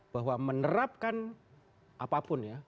bahwa menerapkan apapun ya